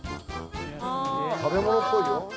食べ物っぽいよ。